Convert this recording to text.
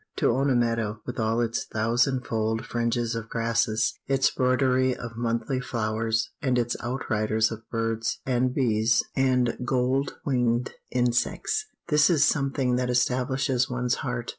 To own a meadow, with all its thousand fold fringes of grasses, its broidery of monthly flowers, and its outriders of birds, and bees, and gold winged insects this is something that establishes one's heart.